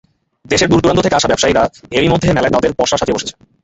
দেশের দূরদূরান্ত থেকে আসা ব্যবসায়ীরা এরই মধ্যে মেলায় তাঁদের পসরা সাজিয়ে বসেছেন।